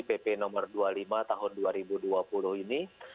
pp nomor dua puluh lima tahun dua ribu dua puluh ini